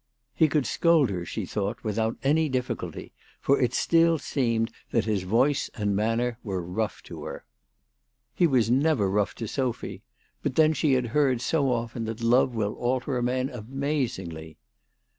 He could scold her, she thought, without any difficulty, for it still seemed that his voice 304 THE TELEGEAPH GIRL. and manner were rough to her. He was never rough to Sophy ; but then she had heard so often that love will alter a man amazingly